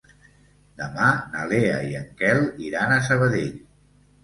Demà na Lea i en Quel iran a Sabadell.